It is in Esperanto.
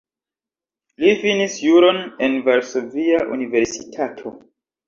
Li finis juron en Varsovia Universitato.